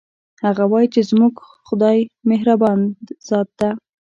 هغه وایي چې زموږ خدایمهربان ذات ده